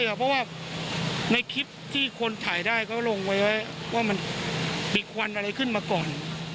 เพราะว่าในคลิปที่คนถ่ายได้เขาลงไว้ว่ามันบิดควันอะไรขึ้นมาก่อน